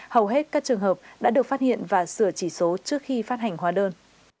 hầu hết các trường hợp đã được phát hiện và sửa chỉ số trước khi phát hành hóa đơn